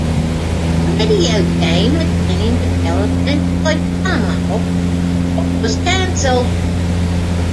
A video game had been in development by Tomahawk, but was cancelled.